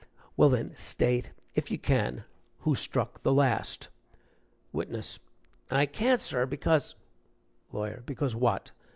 "Well, then, state, if you can, who struck the last." WITNESS. "I can't, sir, because " LAWYER. "Because what?"